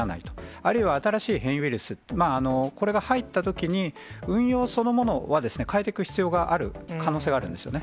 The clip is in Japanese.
あるいは新しい変異ウイルス、これが入ったときに、運用そのものは変えていく必要がある可能性があるんですよね。